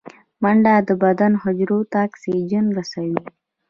منډه د بدن حجرو ته اکسیجن رسوي